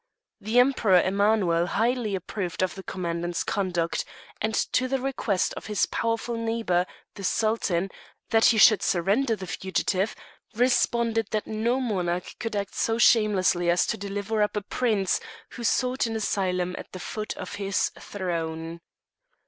The Emperor Emanuel highly approved of the commandant's conduct, and to the request of his powerful neighbour, the Sultan, that he should surrender the fugitive, responded that no monarch could act so shamelessly as to deliver up a prince who sought an asylum at the foot of his throne.